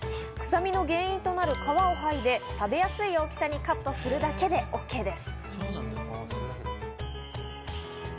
臭みの原因となる皮を剥いで、食べやすい大きさにカットするだけでＯＫです。